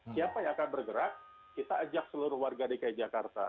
siapa yang akan bergerak kita ajak seluruh warga dki jakarta